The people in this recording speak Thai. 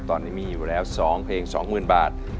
ตอนนี้มีอยู่แล้ว๒เพลง๒๐๐๐บาท